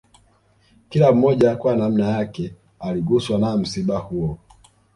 Kila mmoja kwa nanma yake aliguswa na msiba huo